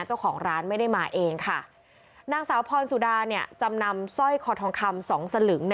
เจ้าของร้านไม่ได้มาเองค่ะนางสาวพรสุดาเนี่ยจำนำสร้อยคอทองคำสองสลึง